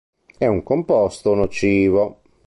È un composto nocivo.